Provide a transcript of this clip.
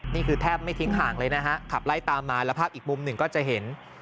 แทบไม่ทิ้งห่างเลยนะฮะขับไล่ตามมาแล้วภาพอีกมุมหนึ่งก็จะเห็น